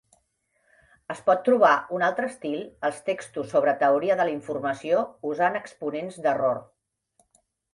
Es pot trobar un altre estil als textos sobre teoria de la informació usant exponents d"error.